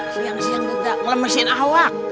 siang siang juga ngelemesin awak